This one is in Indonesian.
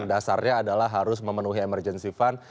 dasarnya adalah harus memenuhi emergency fund